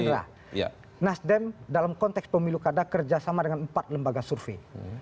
gerindra nasdem dalam konteks pemilu kada kerjasama dengan empat lembaga survei